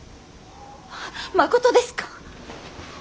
まことですか。